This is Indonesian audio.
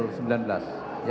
kita akan resumen pada tujuh pm